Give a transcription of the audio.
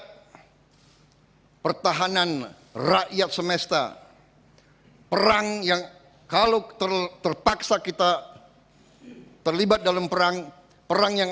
hai pertahanan rakyat semesta perang yang kalau terpaksa kita terlibat dalam perang perang yang